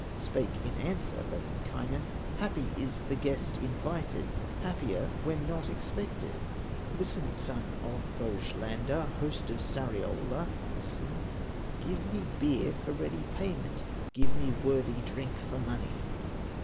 Spake in answer Lemminkainen: "Happy is the guest invited, Happier when not expected; Listen, son of Pohylander, Host of Sariola, listen: Give me beer for ready payment, Give me worthy drink for money!"